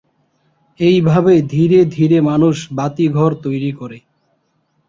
এইভাবে ধীরে ধীরে মানুষ বাতিঘর তৈরি করে।